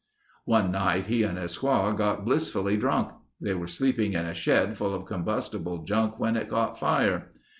One night he and his squaw got blissfully drunk. They were sleeping in a shed full of combustible junk when it caught fire.